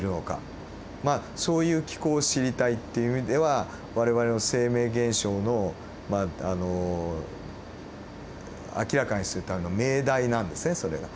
まあそういう機構を知りたいっていう意味では我々の生命現象のまああの明らかにするための命題なんですねそれが。